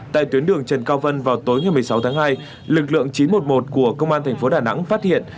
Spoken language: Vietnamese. tại tuyến đường trần cao vân vào tối ngày một mươi sáu tháng hai lực lượng chín trăm một mươi một của công an thành phố đà nẵng phát hiện